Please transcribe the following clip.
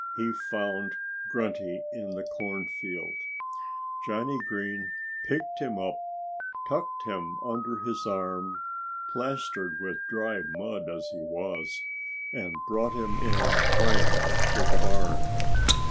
he found Grunty in the cornfield. Johnnie Green picked him up, tucked him under his arm plastered with dried mud as he was and brought him in triumph to the barn.